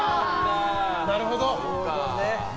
なるほど！